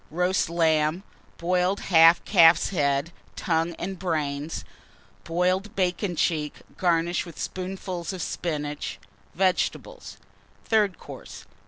Roast Lamb. Boiled Half Calf's Head, Tongue, and Brains. Boiled Bacon cheek, garnished with spoonfuls of Spinach. Vegetables. THIRD COURSE.